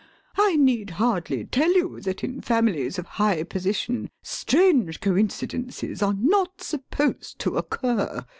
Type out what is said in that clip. I need hardly tell you that in families of high position strange coincidences are not supposed to occur.